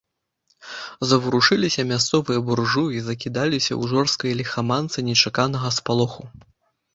Заварушыліся мясцовыя буржуі, закідаліся ў жорсткай ліхаманцы нечаканага спалоху.